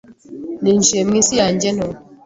Ninjiye mu isi yanjye nto